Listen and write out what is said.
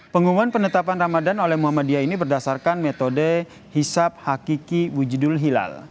pengumuman penetapan ramadan oleh muhammadiyah ini berdasarkan metode hisap hakiki bujudul hilal